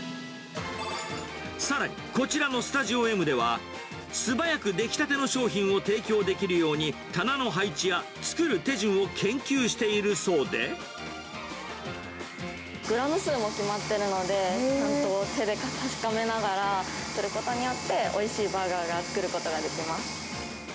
さらに、こちらのスタジオＭでは、素早く出来たての商品を提供できるように、棚の配置や作る手順をグラム数も決まってるので、ちゃんと手で確かめながらすることによって、おいしいバーガーを作ることができます。